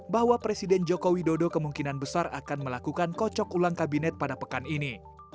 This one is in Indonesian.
bahwa presiden joko widodo kemungkinan besar akan melakukan kocok ulang kabinet pada pekan ini